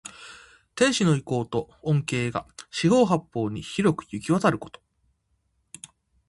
天子の威光と恩恵が四方八方に広くゆきわたること。